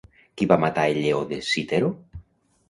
Qui va matar el lleó de Citeró?